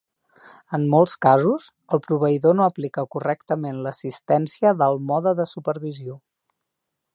En molts casos, el proveïdor no aplica correctament l'assistència del mode de supervisió.